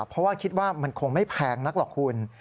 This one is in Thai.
เพราะว่าคิดว่ามันคงไม่แพงนักหรอกคุณ